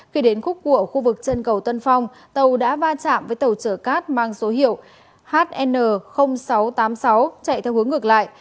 khi đến khúc của khu vực chân cầu tân phong tàu đã va chạm với tàu chở cát mang số hiệu hn sáu trăm tám mươi sáu chạy theo hướng ngược lại